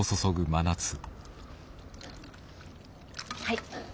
はい。